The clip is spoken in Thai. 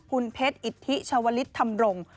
คุณเพชรอิทธิชาวลิศธรรมรงค์